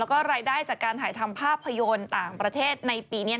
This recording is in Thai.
แล้วก็รายได้จากการถ่ายทำภาพยนตร์ต่างประเทศในปีนี้